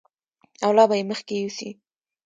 او لا به یې مخکې یوسي.